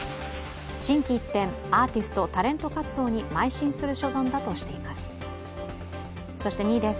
心機一転アーティスト・タレントと活動にまい進する所存だとしています。